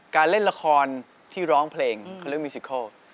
การเล่นละครที่ร้องเพลงเขาเรียกว่ามิวซิเคิล